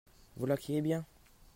Voilà qui est bien!